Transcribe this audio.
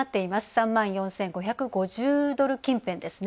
３万４５５０ドル近辺ですね。